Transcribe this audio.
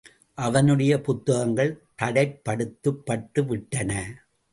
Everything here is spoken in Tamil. அவனுடைய புத்தகங்கள் தடைப்படுத்தப்பட்டுவிட்டன.